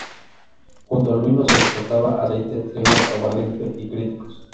Junto al vino se exportaba aceite, trigo, aguardiente y cítricos.